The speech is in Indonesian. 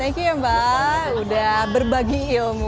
thank you ya mbak udah berbagi ilmu